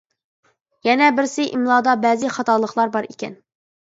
يەنە بىرسى ئىملادا بەزى خاتالىقلار بار ئىكەن.